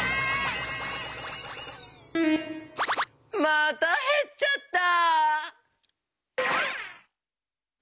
またへっちゃった。